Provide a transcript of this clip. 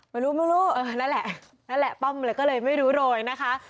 ไม่รู้ไม่รู้เออนั่นแหละนั่นแหละป้อมเลยก็เลยไม่รู้โรยนะคะ